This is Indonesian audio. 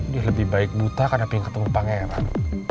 dia lebih baik buta karena pengen ketemu pangeran